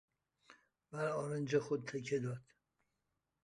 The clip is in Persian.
بر آرنج خود تکه داد.